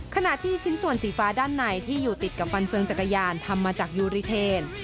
ขณะที่ชิ้นส่วนสีฟ้าด้านในที่อยู่ติดกับฟันเฟืองจักรยานทำมาจากยูริเทน